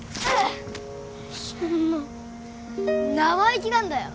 生意気なんだよ。